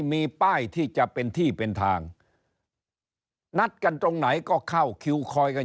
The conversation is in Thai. มีป้ายที่จะเป็นที่เป็นทางนัดกันตรงไหนก็เข้าคิวคอยกัน